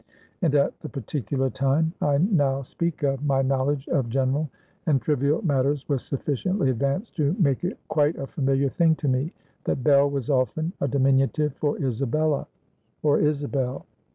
And at the particular time I now speak of, my knowledge of general and trivial matters was sufficiently advanced to make it quite a familiar thing to me, that Bell was often a diminutive for Isabella, or Isabel.